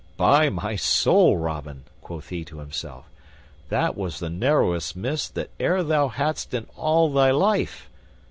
"By my soul, Robin," quoth he to himself, "that was the narrowest miss that e'er thou hadst in all thy life.